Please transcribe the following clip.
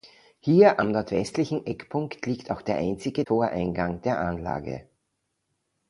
Hier am nordwestlichen Eckpunkt liegt auch der einzige Toreingang der Anlage.